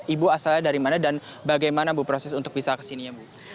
ibu asalnya dari mana dan bagaimana ibu proses untuk bisa ke sini ibu